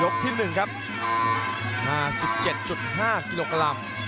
๑๗๕กิโลกรัม